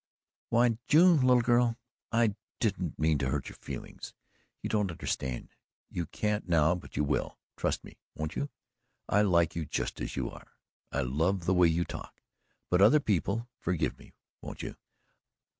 "Why, June, little girl, I didn't mean to hurt your feelings. You don't understand you can't now, but you will. Trust me, won't you? I like you just as you are. I LOVE the way you talk. But other people forgive me, won't you?"